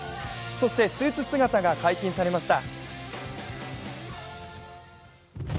そしてスーツ姿が解禁されました。